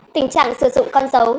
tình trạng sử dụng con dấu